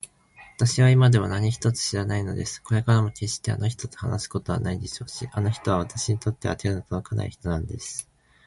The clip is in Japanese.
わたしは今でも何一つ知らないのです。これからもけっしてあの人と話すことはないでしょうし、あの人はわたしにとっては手のとどかない人なんです。